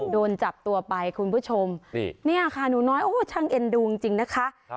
โดนจับตัวไปคุณผู้ชมนี่ค่ะหนูน้อยโอ้โหช่างเอ็นดูจริงนะคะ